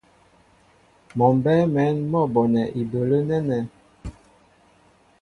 Mɔ mbɛ́ɛ́ mɛ̌n mɔ́ bonɛ ibələ́ nɛ́nɛ́.